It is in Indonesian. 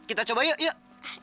kita coba yuk yuk